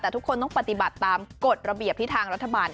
แต่ทุกคนต้องปฏิบัติตามกฎระเบียบที่ทางรัฐบาล